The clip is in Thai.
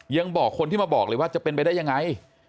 ยังบอกคนที่มาบอกเลยว่าจะเป็นไปได้ยังไง